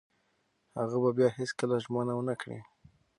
هغه به بیا هیڅکله ژمنه ونه کړي.